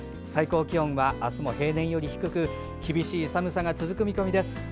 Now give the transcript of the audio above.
最高気温は、あすも平年より低く厳しい寒さが続く見込みです。